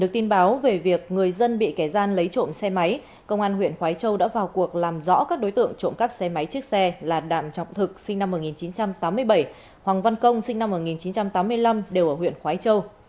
trong thời gian lấy trộm xe máy công an huyện khói châu đã vào cuộc làm rõ các đối tượng trộm cắp xe máy chiếc xe là đạm trọng thực sinh năm một nghìn chín trăm tám mươi bảy hoàng văn công sinh năm một nghìn chín trăm tám mươi năm đều ở huyện khói châu